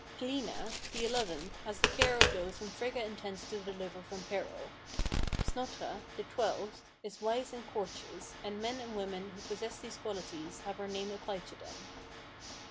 Hlina, the eleventh, has the care of those whom Frigga intends to deliver from peril. Snotra, the twelfth, is wise and courteous, and men and women who possess these qualities have her name applied to them.